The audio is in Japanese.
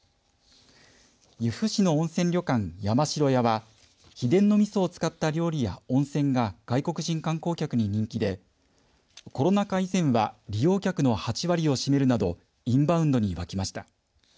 由布市の温泉旅館、山城屋は秘伝のみそを使った料理や温泉が外国人観光客に人気でコロナ禍以前は利用客の８割を占めるなどインバウンドにわきました。